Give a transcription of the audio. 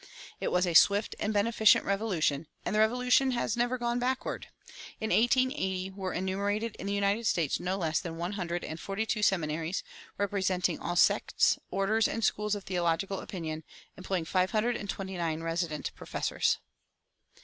It was a swift and beneficent revolution, and the revolution has never gone backward. In 1880 were enumerated in the United States no less than one hundred and forty two seminaries, representing all sects, orders, and schools of theological opinion, employing five hundred and twenty nine resident professors.